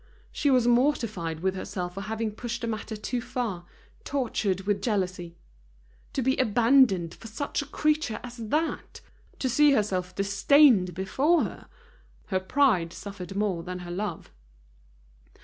She was mortified with herself for having pushed the matter too far, tortured with jealousy. To be abandoned for such a creature as that! To see herself disdained before her! Her pride suffered more than her love.